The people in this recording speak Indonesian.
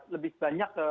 lebih banyak ke